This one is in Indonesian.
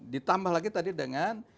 ditambah lagi tadi dengan